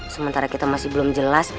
sementara kita masih belum jelas